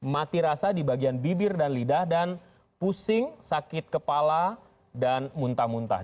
mati rasa di bagian bibir dan lidah dan pusing sakit kepala dan muntah muntah